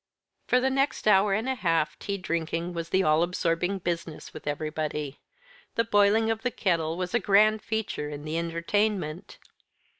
For the next hour and a half tea drinking was the all absorbing business with everybody. The boiling of the kettle was a grand feature in the entertainment.